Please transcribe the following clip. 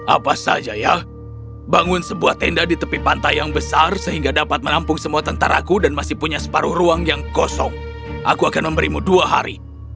apa saja ya bangun sebuah tenda di tepi pantai yang besar sehingga dapat menampung semua tentaraku dan masih punya separuh ruang yang kosong aku akan memberimu dua hari